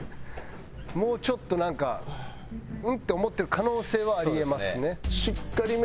もうちょっとなんか「うん？」って思ってる可能性はあり得ますね。